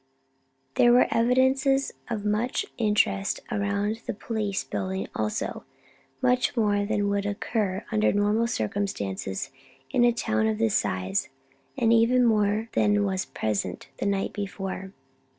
There were evidences of much interest around the police building also much more than would occur under normal circumstances in a town of this size, and even more than was present the night before.